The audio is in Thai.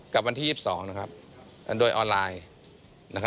กับวันที่๒๒นะครับอันโดยออนไลน์